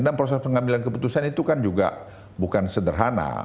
dan proses pengambilan keputusan itu kan juga bukan sederhana